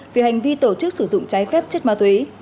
vì hành vi tổ chức sử dụng trái phép chất ma túy